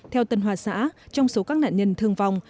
theo tân hoa xã trong số các nạn nhân thương vong